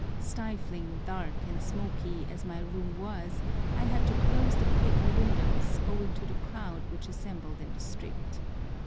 Stifling, dark, and smoky, as my room was, I had to close the paper windows, owing to the crowd which assembled in the street.